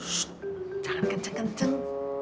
sst jangan kenceng kenceng